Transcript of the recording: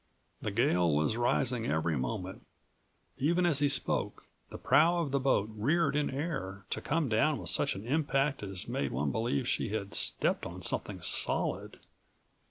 The gale was rising every moment. Even as he spoke the prow of the boat reared in air, to come down with such an impact as made one believe she had stepped on something solid.